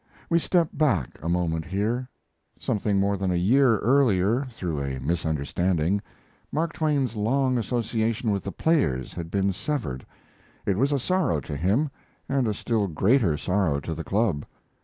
We step back a moment here. Something more than a year earlier, through a misunderstanding, Mark Twain's long association with The Players had been severed. It was a sorrow to him, and a still greater sorrow to the club.